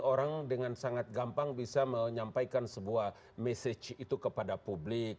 orang dengan sangat gampang bisa menyampaikan sebuah mesej itu kepada publik